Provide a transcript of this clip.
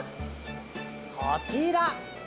こちら！